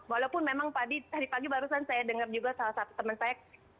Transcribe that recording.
walaupun memang tadi pagi barusan saya dengar juga salah satu teman saya